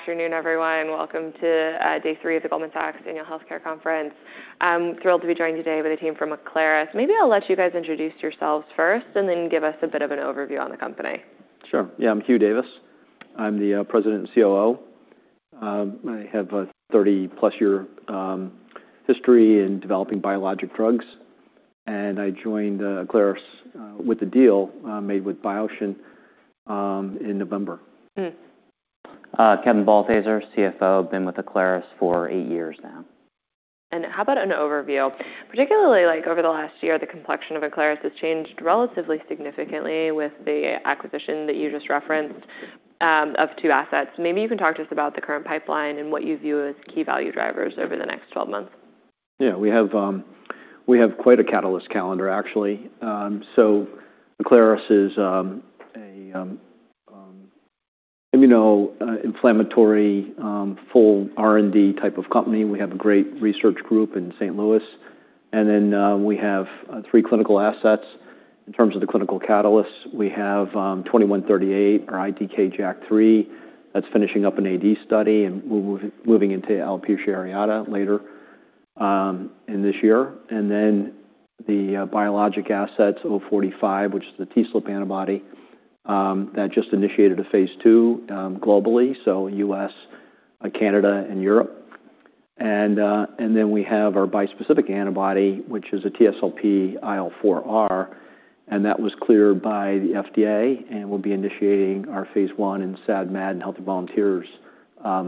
Afternoon, everyone. Welcome to Day Three of the Goldman Sachs Annual Healthcare Conference. I'm thrilled to be joined today by the team from Aclaris. Maybe I'll let you guys introduce yourselves first, and then give us a bit of an overview on the company. Sure. Yeah, I'm Hugh Davis. I'm the President and COO. I have a 30-plus year history in developing biologic drugs, and I joined Aclaris with a deal made with BioSHIN in November. Kevin Balthaser, CFO, been with Aclaris for eight years now. How about an overview? Particularly, over the last year, the complexion of Aclaris has changed relatively significantly with the acquisition that you just referenced of two assets. Maybe you can talk to us about the current pipeline and what you view as key value drivers over the next 12 months. Yeah, we have quite a catalyst calendar, actually. Aclaris is an immuno-inflammatory, full R&D type of company. We have a great research group in St. Louis. And then we have three clinical assets. In terms of the clinical catalysts, we have 2138, our ITK JAK3, that's finishing up an AD study and moving into alopecia areata later in this year. And then the biologic assets, 045, which is the TSLP antibody, that just initiated a phase II globally, so U.S., Canada, and Europe. And then we have our bispecific antibody, which is a TSLP IL4R, and that was cleared by the FDA and will be initiating our phase I in SAD MAD and Healthy Volunteers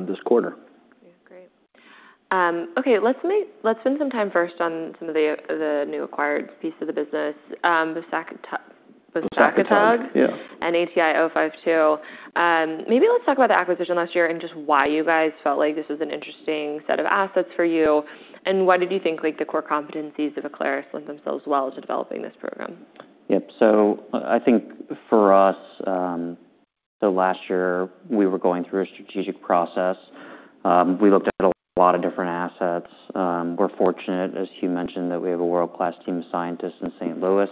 this quarter. Yeah, great. Okay, let's spend some time first on some of the new acquired pieces of the business, the bosakitug and ATI-052. Maybe let's talk about the acquisition last year and just why you guys felt like this was an interesting set of assets for you, and why did you think the core competencies of Aclaris lend themselves well to developing this program? Yep. I think for us, last year, we were going through a strategic process. We looked at a lot of different assets. We're fortunate, as Hugh mentioned, that we have a world-class team of scientists in St. Louis.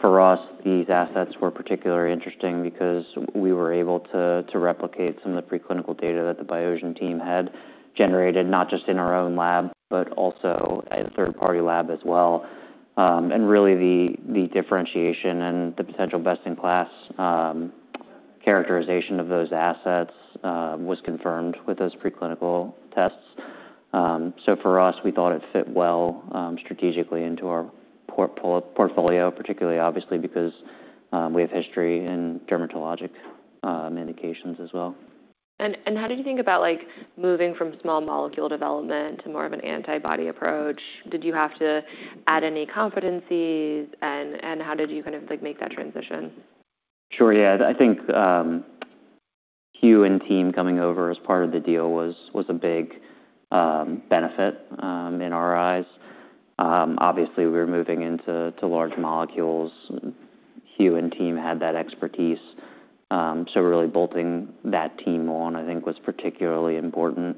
For us, these assets were particularly interesting because we were able to replicate some of the preclinical data that the Biogen team had generated, not just in our own lab, but also at a third-party lab as well. Really, the differentiation and the potential best-in-class characterization of those assets was confirmed with those preclinical tests. For us, we thought it fit well strategically into our portfolio, particularly, obviously, because we have history in dermatologic indications as well. How do you think about moving from small molecule development to more of an antibody approach? Did you have to add any competencies, and how did you kind of make that transition? Sure. Yeah, I think Hugh and team coming over as part of the deal was a big benefit in our eyes. Obviously, we were moving into large molecules. Hugh and team had that expertise. Really, bolting that team on, I think, was particularly important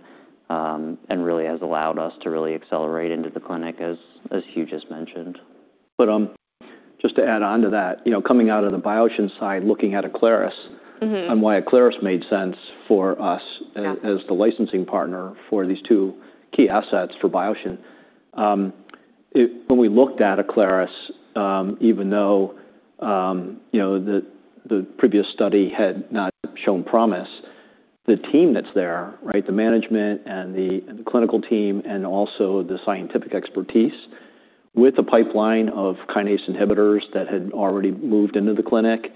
and really has allowed us to really accelerate into the clinic, as Hugh just mentioned. Just to add on to that, coming out of the BioSHIN side, looking at Aclaris, and why Aclaris made sense for us as the licensing partner for these two key assets for BioSHIN. When we looked at Aclaris, even though the previous study had not shown promise, the team that's there, right, the management and the clinical team and also the scientific expertise with a pipeline of kinase inhibitors that had already moved into the clinic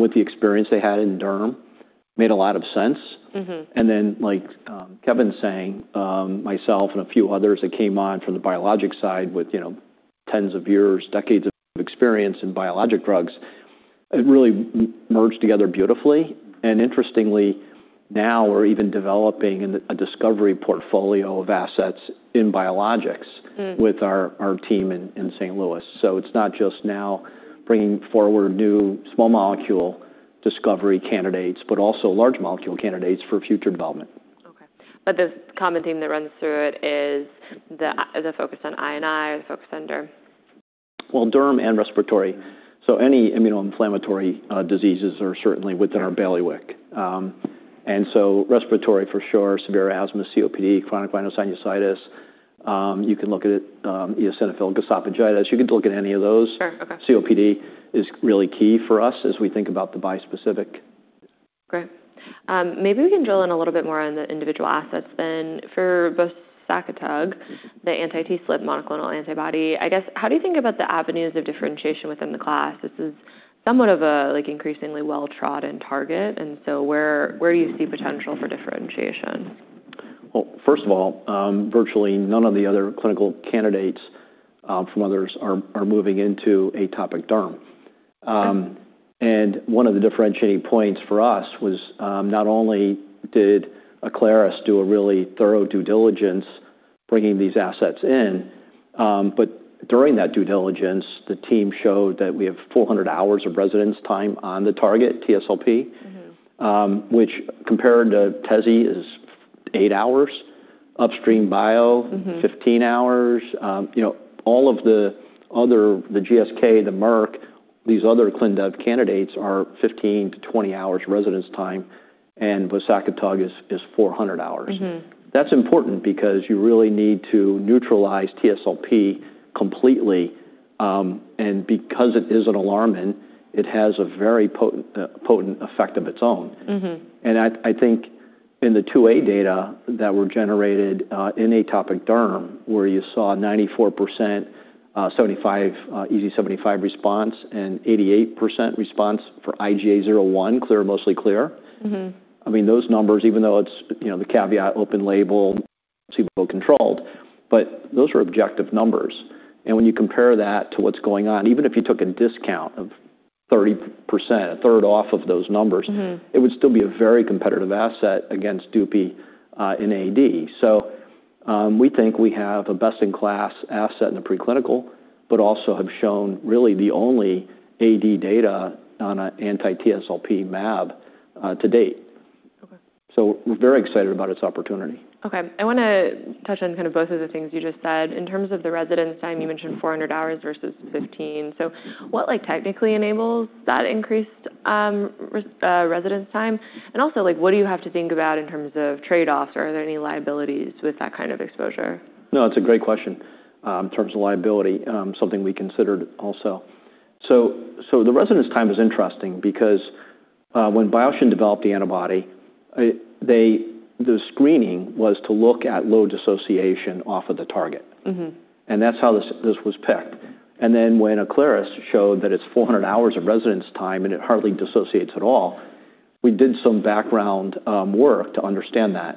with the experience they had in derm, made a lot of sense. Like Kevin's saying, myself and a few others that came on from the biologic side with tens of years, decades of experience in biologic drugs, it really merged together beautifully. Interestingly, now we're even developing a discovery portfolio of assets in biologics with our team in St. Louis. It's not just now bringing forward new small molecule discovery candidates, but also large molecule candidates for future development. Okay. The common theme that runs through it is the focus on INI or the focus on derm? Derm and respiratory. So any immuno-inflammatory diseases are certainly within our bailiwick. And so respiratory, for sure, severe asthma, COPD, chronic rhinosinusitis. You can look at eosinophilic esophagitis. You can look at any of those. COPD is really key for us as we think about the bispecific. Great. Maybe we can drill in a little bit more on the individual assets then. For both bosakitug, the anti-TSLP monoclonal antibody, I guess, how do you think about the avenues of differentiation within the class? It's somewhat of an increasingly well-trodden target. Where do you see potential for differentiation? First of all, virtually none of the other clinical candidates from others are moving into atopic derm. One of the differentiating points for us was not only did Aclaris do a really thorough due diligence bringing these assets in, but during that due diligence, the team showed that we have 400 hours of residence time on the target, TSLP, which compared to Tezo is eight hours, Upstream Bio 15 hours. All of the other, the GSK, the Merck, these other clinical development candidates are 15 hours-20 hours residence time, and with bosakitug is 400 hours. That is important because you really need to neutralize TSLP completely. Because it is an alarmin, it has a very potent effect of its own. I think in the II-A data that were generated in atopic derm, where you saw 94% EASI-75 response, and 88% response for IGA-01, clear, mostly clear. I mean, those numbers, even though it's the caveat, open label, SIBO controlled, but those are objective numbers. When you compare that to what's going on, even if you took a discount of 30%, a third off of those numbers, it would still be a very competitive asset against Dupi in AD. We think we have a best-in-class asset in the preclinical, but also have shown really the only AD data on an anti-TSLP MAB to date. We are very excited about its opportunity. Okay. I want to touch on kind of both of the things you just said. In terms of the residence time, you mentioned 400 hours versus 15. So what technically enables that increased residence time? And also, what do you have to think about in terms of trade-offs? Are there any liabilities with that kind of exposure? No, it's a great question. In terms of liability, something we considered also. The residence time is interesting because when BioSHIN developed the antibody, the screening was to look at load dissociation off of the target. That's how this was picked. When Aclaris showed that it's 400 hours of residence time and it hardly dissociates at all, we did some background work to understand that.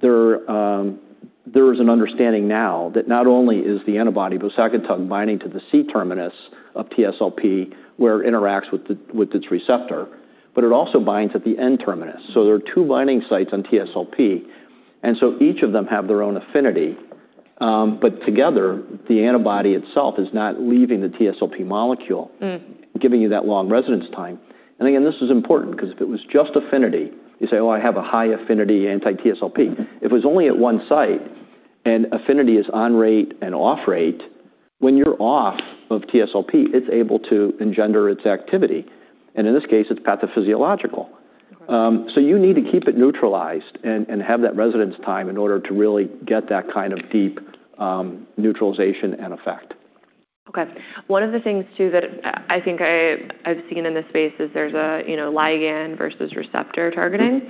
There is an understanding now that not only is the antibody bosakitug binding to the C-terminus of TSLP, where it interacts with its receptor, it also binds at the N-terminus. There are two binding sites on TSLP. Each of them have their own affinity. Together, the antibody itself is not leaving the TSLP molecule, giving you that long residence time. This is important because if it was just affinity, you say, "Oh, I have a high affinity anti-TSLP." If it was only at one site and affinity is on rate and off rate, when you're off of TSLP, it's able to engender its activity. In this case, it's pathophysiological. You need to keep it neutralized and have that residence time in order to really get that kind of deep neutralization and effect. Okay. One of the things too that I think I've seen in this space is there's a ligand versus receptor targeting.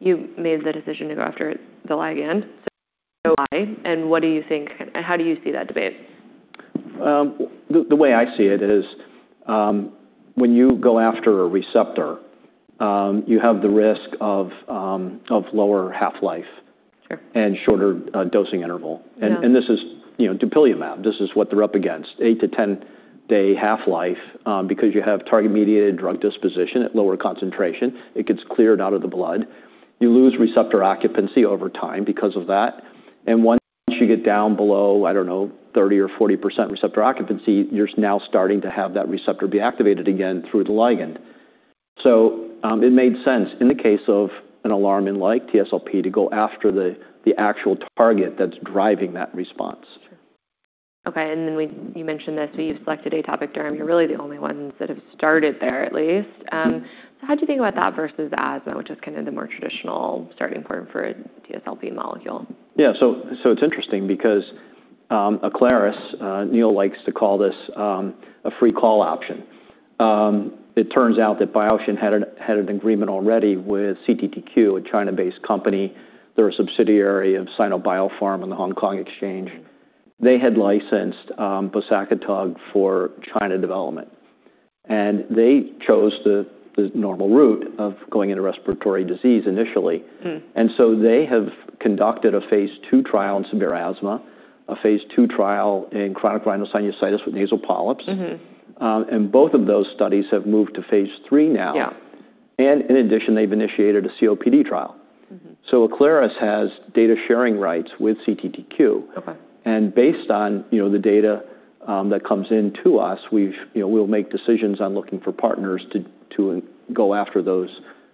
You made the decision to go after the ligand. Why? And what do you think? How do you see that debate? The way I see it is when you go after a receptor, you have the risk of lower half-life and shorter dosing interval. This is dupilumab. This is what they're up against, 8 day-10 day half-life, because you have target-mediated drug disposition at lower concentration. It gets cleared out of the blood. You lose receptor occupancy over time because of that. Once you get down below, I don't know, 30% or 40% receptor occupancy, you're now starting to have that receptor be activated again through the ligand. It made sense in the case of an alarmine-like TSLP to go after the actual target that's driving that response. Okay. And then you mentioned this, so you've selected atopic derm. You're really the only ones that have started there, at least. How do you think about that versus asthma, which is kind of the more traditional starting point for a TSLP molecule? Yeah. So it's interesting because Aclaris, Neal likes to call this a free call option. It turns out that BioSHIN had an agreement already with CTTQ, a China-based company. They're a subsidiary of Sino Biopharmaceutical on the Hong Kong Exchange. They had licensed bosakitug for China development. They chose the normal route of going into respiratory disease initially. They have conducted a phase II trial in severe asthma, a phase II trial in chronic rhinosinusitis with nasal polyps. Both of those studies have moved to phase III now. In addition, they've initiated a COPD trial. Aclaris has data sharing rights with CTTQ. Based on the data that comes into us, we'll make decisions on looking for partners to go after those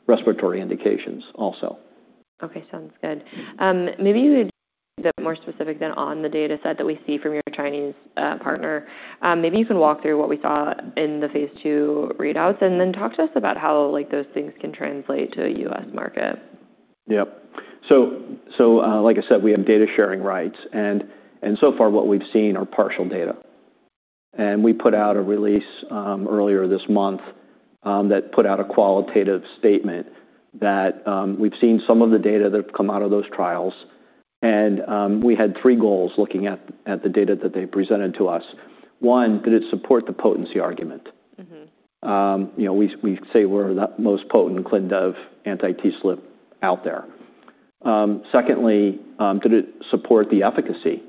respiratory indications also. Okay. Sounds good. Maybe you could get more specific then on the data set that we see from your Chinese partner. Maybe you can walk through what we saw in the phase II readouts and then talk to us about how those things can translate to a U.S. market. Yep. Like I said, we have data sharing rights. So far, what we've seen are partial data. We put out a release earlier this month that put out a qualitative statement that we've seen some of the data that have come out of those trials. We had three goals looking at the data that they presented to us. One, did it support the potency argument? We say we're the most potent clin dev anti-TSLP out there. Secondly, did it support the efficacy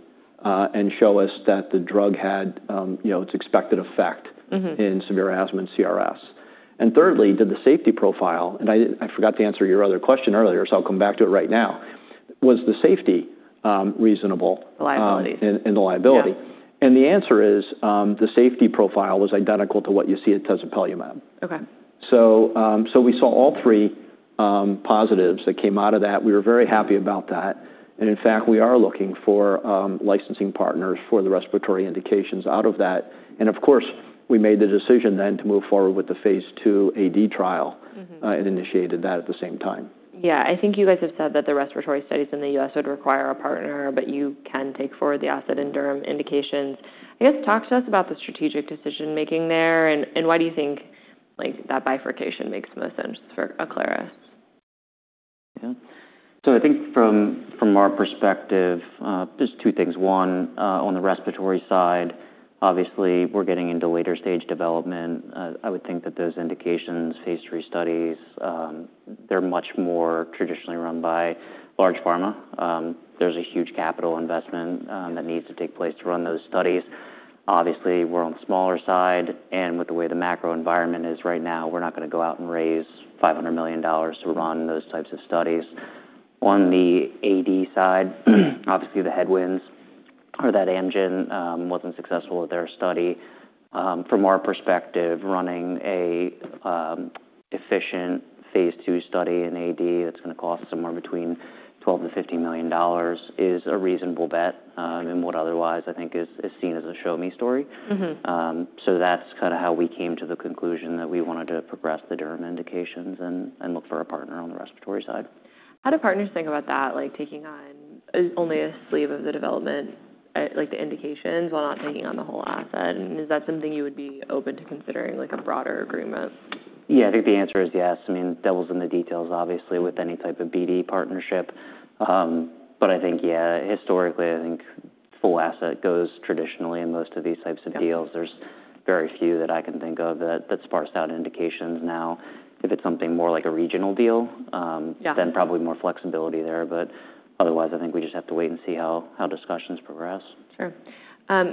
and show us that the drug had its expected effect in severe asthma and chronic rhinosinusitis? Thirdly, did the safety profile—and I forgot to answer your other question earlier, so I'll come back to it right now—was the safety reasonable and the liability? The answer is the safety profile was identical to what you see at tezopelumab. We saw all three positives that came out of that. We were very happy about that. In fact, we are looking for licensing partners for the respiratory indications out of that. Of course, we made the decision then to move forward with the phase II AD trial and initiated that at the same time. Yeah. I think you guys have said that the respiratory studies in the U.S. would require a partner, but you can take forward the atopic and derm indications. I guess talk to us about the strategic decision-making there. Why do you think that bifurcation makes the most sense for Aclaris? Yeah. I think from our perspective, there are two things. One, on the respiratory side, obviously, we're getting into later stage development. I would think that those indications, phase III studies, they're much more traditionally run by large pharma. There's a huge capital investment that needs to take place to run those studies. Obviously, we're on the smaller side. With the way the macro environment is right now, we're not going to go out and raise $500 million to run those types of studies. On the AD side, obviously, the headwinds are that Amgen was not successful with their study. From our perspective, running an efficient phase II study in AD that's going to cost somewhere between $12 million-$15 million is a reasonable bet than what otherwise, I think, is seen as a show-me story. That's kind of how we came to the conclusion that we wanted to progress the derm indications and look for a partner on the respiratory side. How do partners think about that, taking on only a sleeve of the development, like the indications, while not taking on the whole asset? Is that something you would be open to considering a broader agreement? Yeah, I think the answer is yes. I mean, devil's in the details, obviously, with any type of BD partnership. But I think, yeah, historically, I think full asset goes traditionally in most of these types of deals. There's very few that I can think of that sparse out indications now. If it's something more like a regional deal, then probably more flexibility there. Otherwise, I think we just have to wait and see how discussions progress. Sure.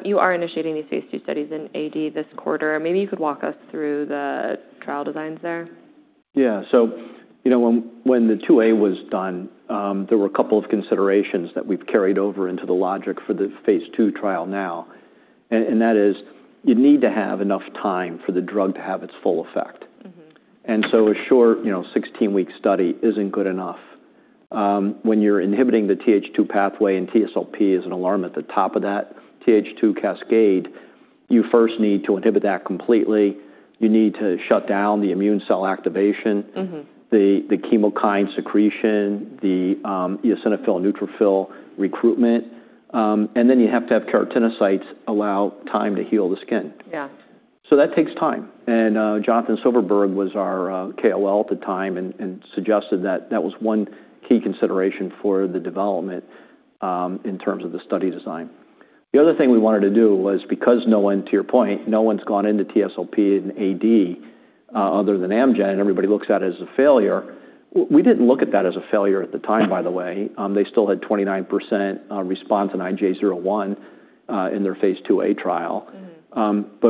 You are initiating these phase II studies in AD this quarter. Maybe you could walk us through the trial designs there. Yeah. When the II-A was done, there were a couple of considerations that we've carried over into the logic for the phase II trial now. That is you need to have enough time for the drug to have its full effect. A short 16-week study isn't good enough. When you're inhibiting the TH2 pathway and TSLP is an alarm at the top of that TH2 cascade, you first need to inhibit that completely. You need to shut down the immune cell activation, the chemokine secretion, the eosinophil neutrophil recruitment. You have to have keratinocytes allow time to heal the skin. That takes time. Jonathan Silverberg was our KOL at the time and suggested that that was one key consideration for the development in terms of the study design. The other thing we wanted to do was because no one, to your point, no one's gone into TSLP in AD other than Amgen, and everybody looks at it as a failure. We didn't look at that as a failure at the time, by the way. They still had 29% response in IGA-01 in their phase II-A trial.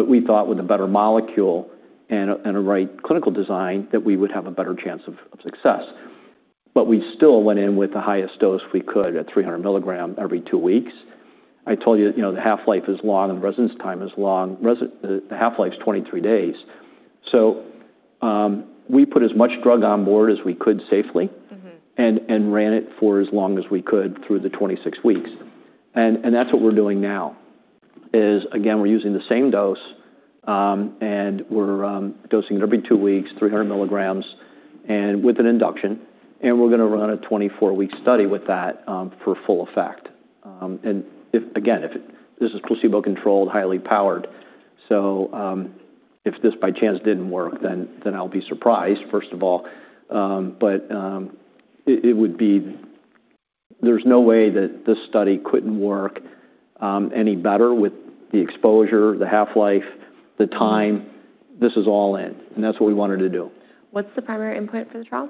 We thought with a better molecule and a right clinical design that we would have a better chance of success. We still went in with the highest dose we could at 300 mg every two weeks. I told you the half-life is long and the residence time is long. The half-life is 23 days. We put as much drug on board as we could safely and ran it for as long as we could through the 26 weeks. That's what we're doing now is, again, we're using the same dose and we're dosing every two weeks, 300 mg and with an induction. We're going to run a 24-week study with that for full effect. Again, this is placebo-controlled, highly powered. If this by chance didn't work, then I'll be surprised, first of all. There's no way that this study couldn't work any better with the exposure, the half-life, the time. This is all in. That's what we wanted to do. What's the primary input for the trial?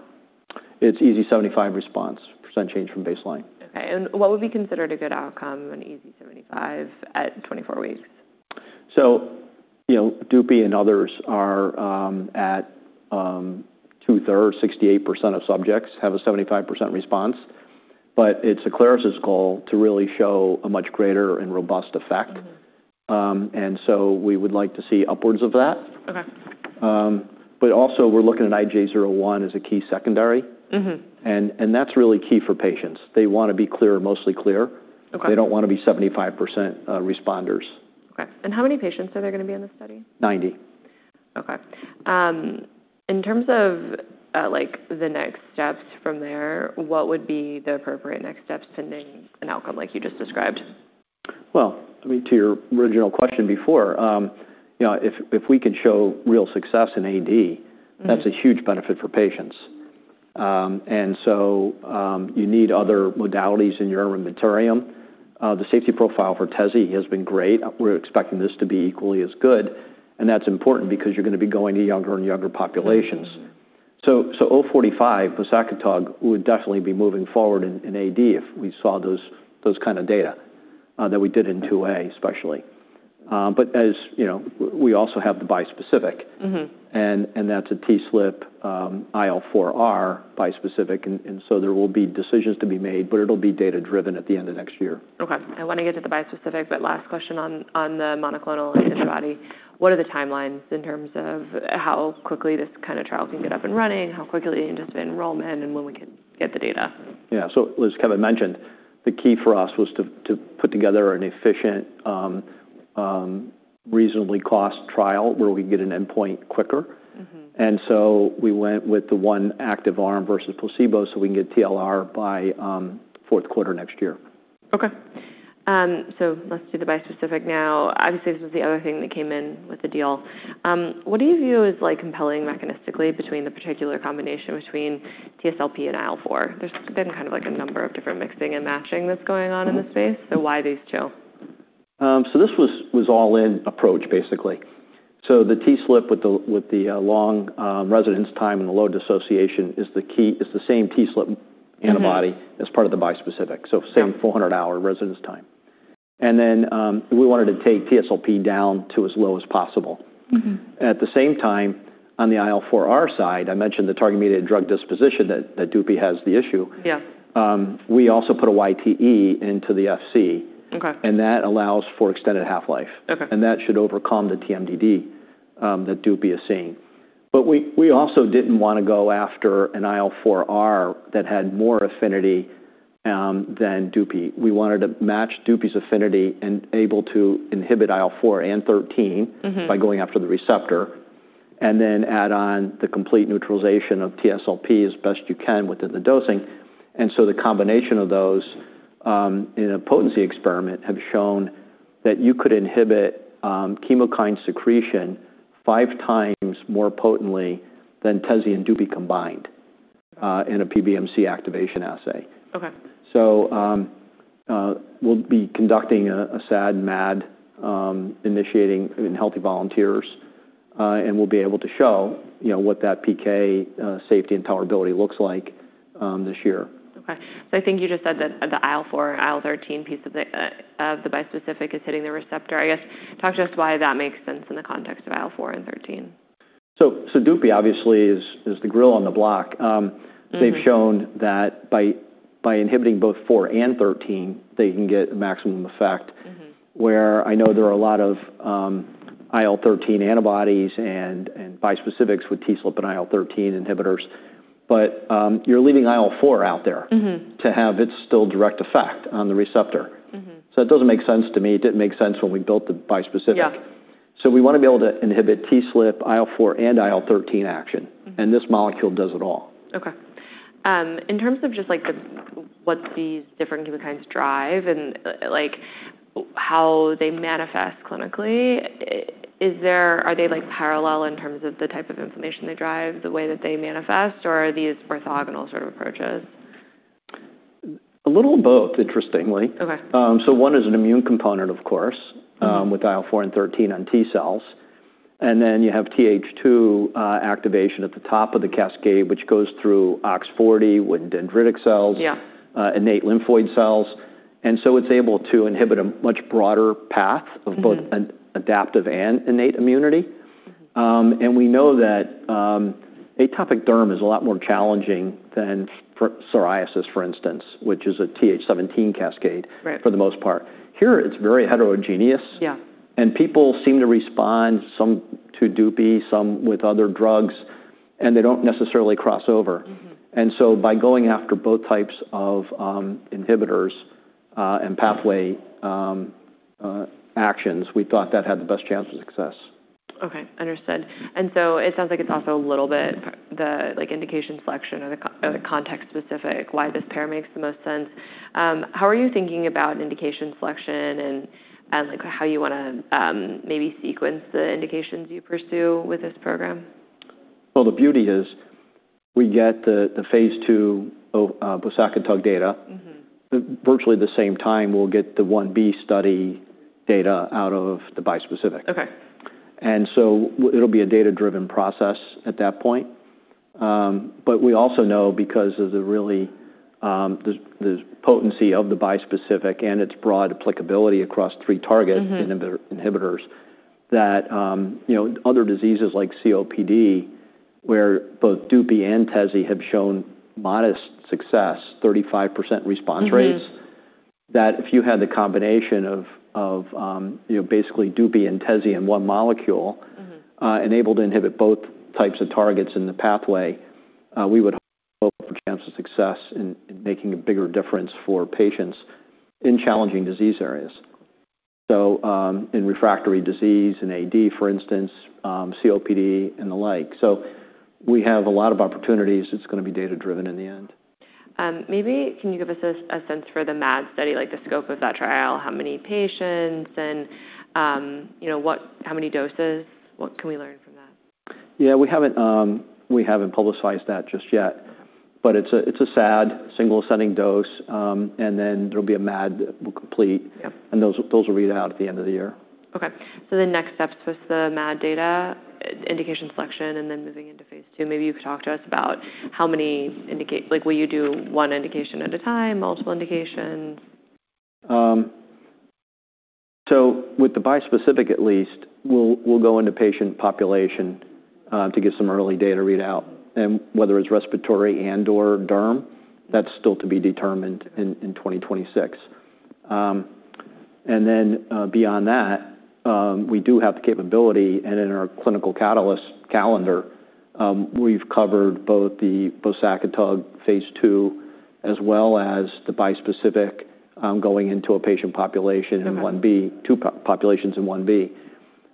It's EASI-75 response, percent change from baseline. Okay. What would be considered a good outcome in EASI-75 at 24 weeks? Dupi and others are at two-thirds, 68% of subjects have a 75% response. It is Aclaris' goal to really show a much greater and robust effect. We would like to see upwards of that. We are also looking at IGA-01 as a key secondary. That is really key for patients. They want to be clear, mostly clear. They do not want to be 75% responders. Okay. How many patients are they going to be in the study? 90. Okay. In terms of the next steps from there, what would be the appropriate next steps pending an outcome like you just described? To your original question before, if we can show real success in AD, that's a huge benefit for patients. You need other modalities in your inventorium. The safety profile for Tezo has been great. We're expecting this to be equally as good. That's important because you're going to be going to younger and younger populations. 045, Bosakitug would definitely be moving forward in AD if we saw those kind of data that we did in phase II-A, especially. We also have the bispecific. That's a TSLP IL4R bispecific. There will be decisions to be made, but it'll be data-driven at the end of next year. Okay. I want to get to the bispecific, but last question on the monoclonal antibody. What are the timelines in terms of how quickly this kind of trial can get up and running, how quickly you can just enrollment, and when we can get the data? Yeah. As Kevin mentioned, the key for us was to put together an efficient, reasonably cost trial where we can get an endpoint quicker. We went with the one active arm versus placebo so we can get TLR by fourth quarter next year. Okay. So let's do the bispecific now. Obviously, this was the other thing that came in with the deal. What do you view as compelling mechanistically between the particular combination between TSLP and IL4? There's been kind of a number of different mixing and matching that's going on in this space. Why these two? This was all-in approach, basically. The TSLP with the long residence time and the low dissociation is the same TSLP antibody as part of the bispecific. Same 400-hour residence time. We wanted to take TSLP down to as low as possible. At the same time, on the IL4R side, I mentioned the target-mediated drug disposition that Dupi has the issue. We also put a YTE into the FC. That allows for extended half-life. That should overcome the TMDD that Dupi is seeing. We also did not want to go after an IL4R that had more affinity than Dupi. We wanted to match Dupi's affinity and be able to inhibit IL4 and 13 by going after the receptor. Then add on the complete neutralization of TSLP as best you can within the dosing. The combination of those in a potency experiment has shown that you could inhibit chemokine secretion five times more potently than Tezo and Dupi combined in a PBMC activation assay. We will be conducting a SAD/MAD initiating in healthy volunteers. We will be able to show what that PK safety and tolerability looks like this year. Okay. I think you just said that the IL4 and IL13 piece of the bispecific is hitting the receptor. I guess talk to us why that makes sense in the context of IL4 and IL13. Dupi obviously is the gorilla on the block. They've shown that by inhibiting both IL4 and IL13, they can get maximum effect. Where I know there are a lot of IL13 antibodies and bispecifics with TSLP and IL13 inhibitors. But you're leaving IL4 out there to have its still direct effect on the receptor. It doesn't make sense to me. It didn't make sense when we built the bispecific. We want to be able to inhibit TSLP, IL4, and IL13 action. This molecule does it all. Okay. In terms of just what these different chemokines drive and how they manifest clinically, are they parallel in terms of the type of information they drive, the way that they manifest, or are these orthogonal sort of approaches? A little of both, interestingly. One is an immune component, of course, with IL4 and IL13 on T cells. You have TH2 activation at the top of the cascade, which goes through AX40 with dendritic cells, innate lymphoid cells. It is able to inhibit a much broader path of both adaptive and innate immunity. We know that atopic derm is a lot more challenging than psoriasis, for instance, which is a TH17 cascade for the most part. Here, it is very heterogeneous. People seem to respond some to Dupi, some with other drugs, and they do not necessarily cross over. By going after both types of inhibitors and pathway actions, we thought that had the best chance of success. Okay. Understood. It sounds like it's also a little bit the indication selection or the context specific, why this pair makes the most sense. How are you thinking about indication selection and how you want to maybe sequence the indications you pursue with this program? The beauty is we get the phase II bosakitug data. Virtually at the same time, we'll get the I-B study data out of the bispecific. It will be a data-driven process at that point. We also know because of the potency of the bispecific and its broad applicability across three target inhibitors that other diseases like COPD, where both Dupi and Tezo have shown modest success, 35% response rates, that if you had the combination of basically Dupi and Tezo in one molecule enabled to inhibit both types of targets in the pathway, we would hope to have a chance of success in making a bigger difference for patients in challenging disease areas. In refractory disease, in atopic dermatitis, for instance, COPD, and the like, we have a lot of opportunities. It's going to be data-driven in the end. Maybe can you give us a sense for the MAD study, like the scope of that trial, how many patients and how many doses, what can we learn from that? Yeah, we haven't publicized that just yet. It's a SAD, single-setting dose. There'll be a MAD that will complete. Those will read out at the end of the year. Okay. The next steps was the MAD data, indication selection, and then moving into phase II. Maybe you could talk to us about how many. Will you do one indication at a time, multiple indications? With the bispecific at least, we'll go into patient population to get some early data readout. Whether it's respiratory and/or derm, that's still to be determined in 2026. Beyond that, we do have the capability. In our clinical catalyst calendar, we've covered both the bosacatag phase II as well as the bispecific going into a patient population in I-B, two populations in I-B,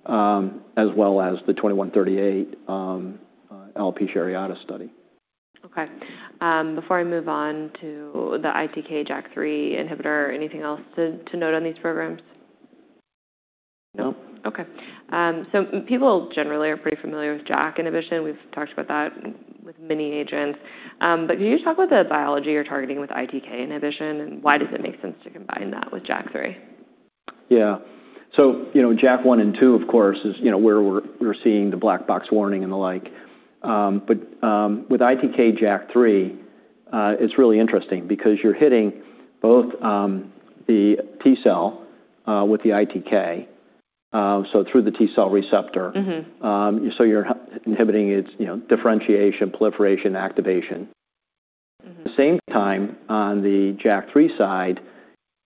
as well as the 2138 alopecia areata study. Okay. Before I move on to the ITK JAK3 inhibitor, anything else to note on these programs? Nope. Okay. So people generally are pretty familiar with JAK inhibition. We've talked about that with many agents. But can you talk about the biology you're targeting with ITK inhibition and why does it make sense to combine that with JAK3? Yeah. JAK1 and JAK2, of course, is where we're seeing the black box warning and the like. With ITK JAK3, it's really interesting because you're hitting both the T cell with the ITK, so through the T cell receptor. You're inhibiting its differentiation, proliferation, activation. At the same time, on the JAK3 side,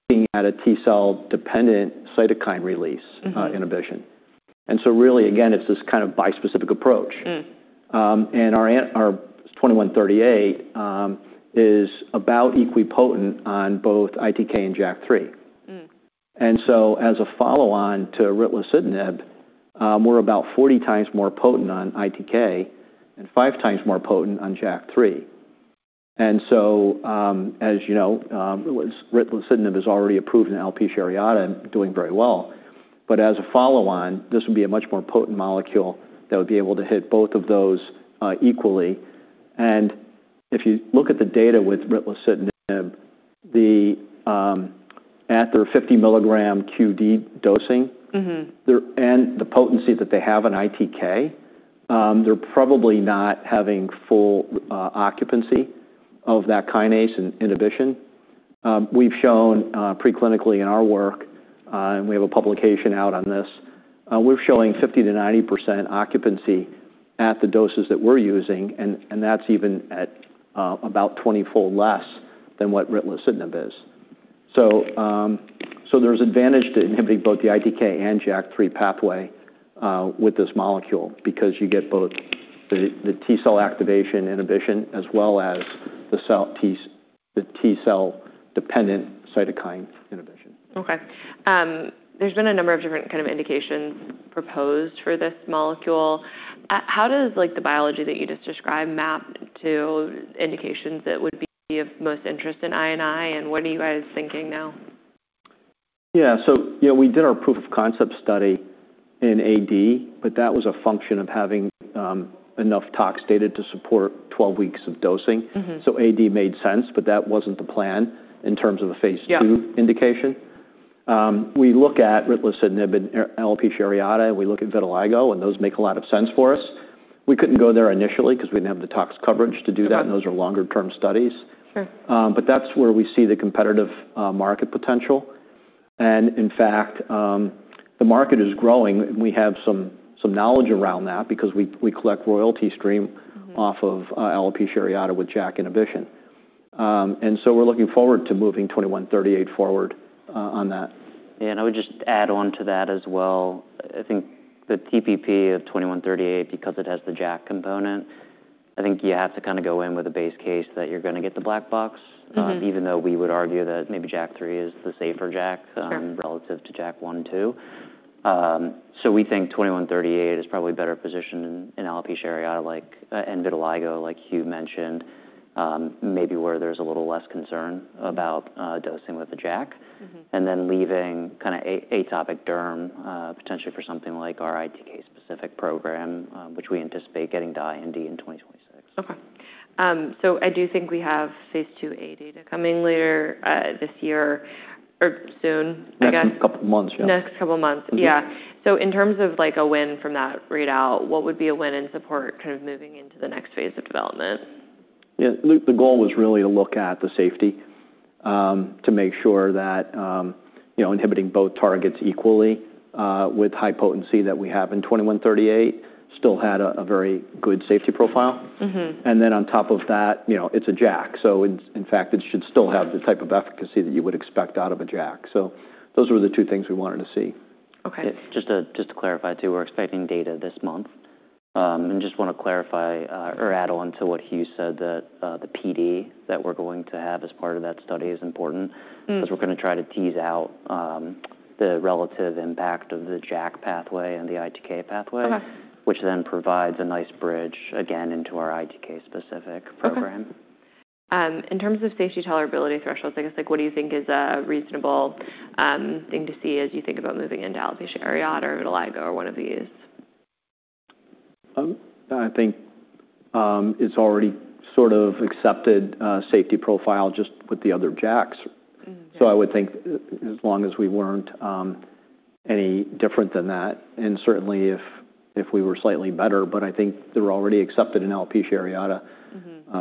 you're looking at a T cell dependent cytokine release inhibition. Really, again, it's this kind of bispecific approach. Our 2138 is about equal potent on both ITK and JAK3. As a follow-on to ritlecitinib, we're about 40 times more potent on ITK and five times more potent on JAK3. As you know, ritlecitinib is already approved in alopecia areata and doing very well. As a follow-on, this would be a much more potent molecule that would be able to hit both of those equally. If you look at the data with ritlecitinib, at their 50 mg QD dosing and the potency that they have in ITK, they're probably not having full occupancy of that kinase inhibition. We've shown preclinically in our work, and we have a publication out on this, we're showing 50%-90% occupancy at the doses that we're using. That's even at about 20-fold less than what ritlecitinib is. There is advantage to inhibiting both the ITK and JAK3 pathway with this molecule because you get both the T cell activation inhibition as well as the T cell dependent cytokine inhibition. Okay. There's been a number of different kind of indications proposed for this molecule. How does the biology that you just described map to indications that would be of most interest in INI? And what are you guys thinking now? Yeah. We did our proof of concept study in AD, but that was a function of having enough tox data to support 12 weeks of dosing. AD made sense, but that was not the plan in terms of the phase II indication. We look at ritlecitinib and alopecia areata, we look at vitiligo, and those make a lot of sense for us. We could not go there initially because we did not have the tox coverage to do that. Those are longer-term studies. That is where we see the competitive market potential. In fact, the market is growing. We have some knowledge around that because we collect royalty stream off of alopecia areata with JAK inhibition. We are looking forward to moving 2138 forward on that. I would just add on to that as well. I think the TPP of 2138, because it has the JAK component, I think you have to kind of go in with a base case that you're going to get the black box, even though we would argue that maybe JAK3 is the safer JAK relative to JAK1, JAK2. We think 2138 is probably better positioned in alopecia areata and vitiligo, like Hugh mentioned, maybe where there's a little less concern about dosing with a JAK. Then leaving kind of atopic derm potentially for something like our ITK-specific program, which we anticipate getting to IND in 2026. Okay. I do think we have phase II-A data coming later this year or soon, I guess. Next couple of months, yeah. Next couple of months, yeah. In terms of a win from that readout, what would be a win in support kind of moving into the next phase of development? Yeah. The goal was really to look at the safety to make sure that inhibiting both targets equally with high potency that we have in 2138 still had a very good safety profile. Then on top of that, it's a JAK. In fact, it should still have the type of efficacy that you would expect out of a JAK. Those were the two things we wanted to see. Just to clarify too, we're expecting data this month. I just want to clarify or add on to what Hugh said that the PD that we're going to have as part of that study is important because we're going to try to tease out the relative impact of the JAK pathway and the ITK pathway, which then provides a nice bridge again into our ITK-specific program. In terms of safety tolerability thresholds, I guess what do you think is a reasonable thing to see as you think about moving into alopecia areata or vitiligo or one of these? I think it's already sort of accepted safety profile just with the other JAKs. I would think as long as we weren't any different than that, and certainly if we were slightly better, I think they're already accepted in alopecia areata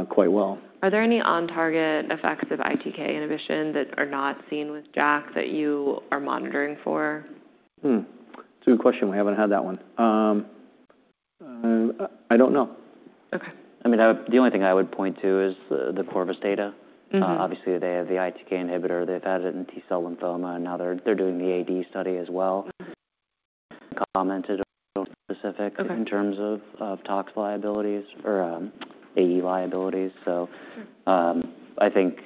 quite well. Are there any on-target effects of ITK inhibition that are not seen with JAK that you are monitoring for? That's a good question. We haven't had that one. I don't know. I mean, the only thing I would point to is the Corvus data. Obviously, they have the ITK inhibitor. They've had it in T cell lymphoma. Now they're doing the AD study as well, commented on specific in terms of tox liabilities or AE liabilities. So I think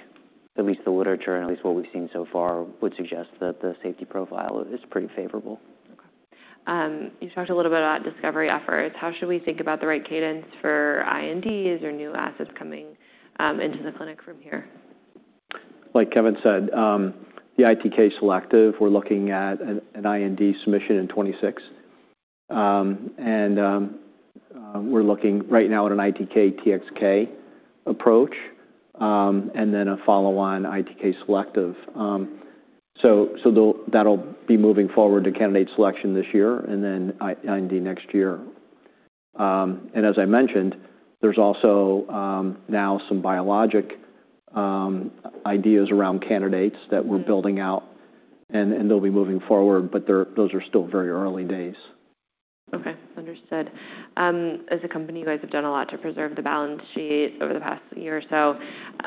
at least the literature and at least what we've seen so far would suggest that the safety profile is pretty favorable. Okay. You talked a little bit about discovery efforts. How should we think about the right cadence for INDs or new assets coming into the clinic from here? Like Kevin said, the ITK selective, we're looking at an IND submission in 2026. We're looking right now at an ITK-TXK approach and then a follow-on ITK selective. That'll be moving forward to candidate selection this year and then IND next year. As I mentioned, there's also now some biologic ideas around candidates that we're building out, and they'll be moving forward, but those are still very early days. Okay. Understood. As a company, you guys have done a lot to preserve the balance sheet over the past year or so.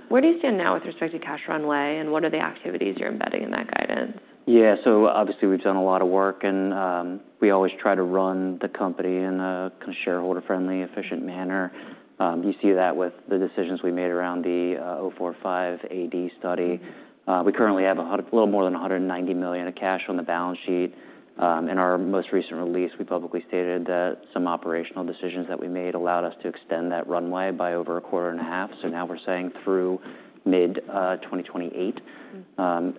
Where do you stand now with respect to cash runway, and what are the activities you're embedding in that guidance? Yeah. So obviously, we've done a lot of work, and we always try to run the company in a kind of shareholder-friendly, efficient manner. You see that with the decisions we made around the 045 AD study. We currently have a little more than $190 million of cash on the balance sheet. In our most recent release, we publicly stated that some operational decisions that we made allowed us to extend that runway by over a quarter and a half. Now we're saying through mid-2028.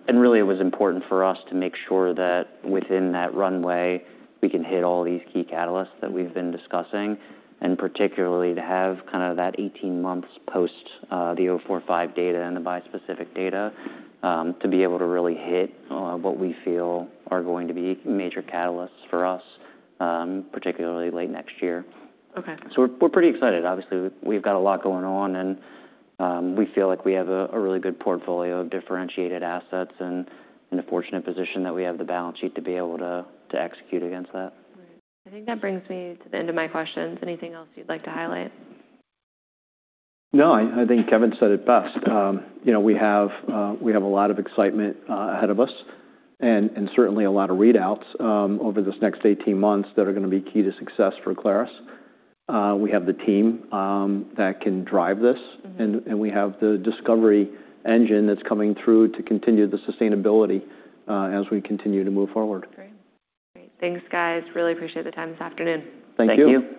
It was important for us to make sure that within that runway, we can hit all these key catalysts that we've been discussing, and particularly to have kind of that 18 months post the 045 data and the bispecific data to be able to really hit what we feel are going to be major catalysts for us, particularly late next year. We're pretty excited. Obviously, we've got a lot going on, and we feel like we have a really good portfolio of differentiated assets and in a fortunate position that we have the balance sheet to be able to execute against that. Right. I think that brings me to the end of my questions. Anything else you'd like to highlight? No, I think Kevin said it best. We have a lot of excitement ahead of us and certainly a lot of readouts over this next 18 months that are going to be key to success for Aclaris. We have the team that can drive this, and we have the discovery engine that's coming through to continue the sustainability as we continue to move forward. Great. Great. Thanks, guys. Really appreciate the time this afternoon. Thank you. Thank you.